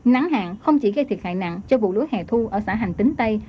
nắng hạn không chỉ gây thiệt hại nặng cho vụ lúa hẻ thu ở xã hành tính tây